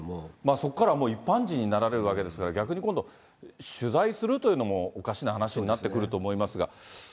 そこから一般人になられるわけですから、逆に今度、取材するというのもおかしな話になってくると思いますが。